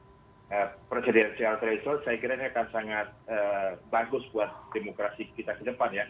kalau kita bersama sama kembali mengugat presidencial threshold saya kiranya akan sangat bagus buat demokrasi kita kedepan ya